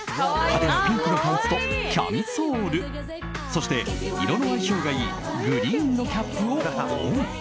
派手なピンクのパンツとキャミソールそして、色の相性がいいグリーンのキャップをオン。